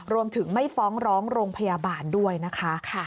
รวมถึงไม่ฟ้องร้องโรงพยาบาลด้วยนะคะ